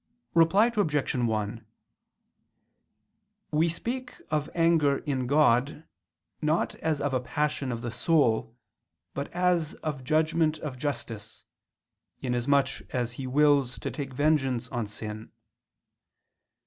Reply Obj. 1: We speak of anger in God, not as of a passion of the soul but as of judgment of justice, inasmuch as He wills to take vengeance on sin.